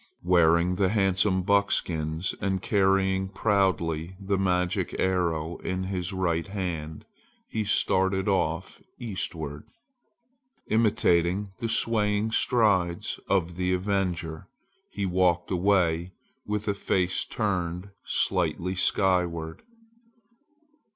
Wearing the handsome buckskins and carrying proudly the magic arrow in his right hand, he started off eastward. Imitating the swaying strides of the avenger, he walked away with a face turned slightly skyward.